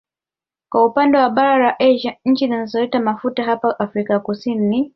Kwa upande wa bara la Asia nchi zinazoleta mafuta hapa Afrika ni